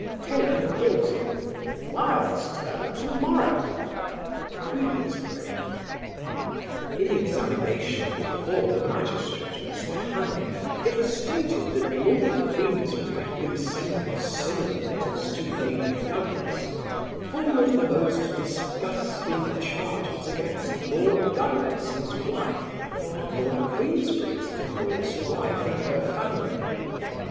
Taylor guilty. Wilde's turn to morrow. QUEENSBERRY. In examination before the magistrate, Mr. Hannay, it was stated that Lord Queensberry had been sending similar letters to Lady Douglas "full of the most disgusting charges against Lord Douglas, his wife, and Lord Queensberry's divorced wife and her family."